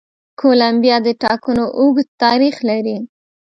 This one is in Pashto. کولمبیا د ټاکنو اوږد تاریخ لري.